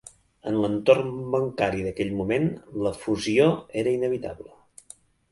En l'entorn bancari d'aquell moment la fusió era inevitable.